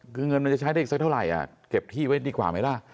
คือเงินมันจะใช้ได้อีกสักเท่าไหร่เก็บที่ไว้ดีกว่าไหมล่ะ